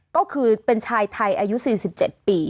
ก็คือเป็นชายไทยอายุ๔๗ปี